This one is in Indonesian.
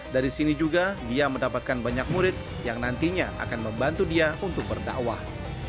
dari sini juga dia mendapatkan banyak murid yang nantinya akan membantu dia untuk berdakwah